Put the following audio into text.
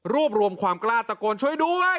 รวมความกล้าตะโกนช่วยด้วย